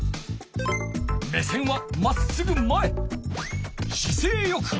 目線はまっすぐ前。